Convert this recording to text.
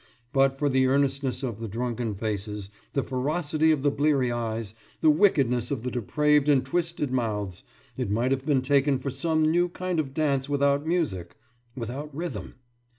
But for the earnestness of the drunken faces, the ferocity of the bleary eyes, the wickedness of the depraved and twisted mouths, it might all have been taken for some new kind of dance without music, without rhythm.